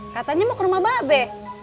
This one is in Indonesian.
katanya mau ke rumah bapak be